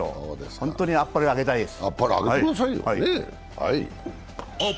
本当にあっぱれをあげたいです。